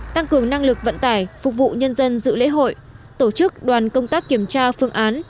tăng cường năng lực vận tải phục vụ nhân dân dự lễ hội tổ chức đoàn công tác kiểm tra phương án